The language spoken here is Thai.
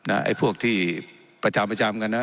ไอ้พวกที่ประจำกันนะ